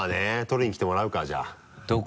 取りに来てもらうかじゃあ。